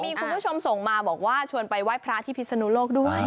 มีคุณผู้ชมส่งมาบอกว่าชวนไปไหว้พระที่พิศนุโลกด้วย